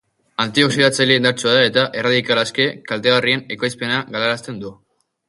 Anti-oxidatzaile indartsua da eta erradikal aske kaltegarrien ekoizpena galarazten du.